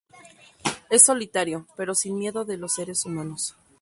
Es solitario, pero sin miedo de los seres humanos.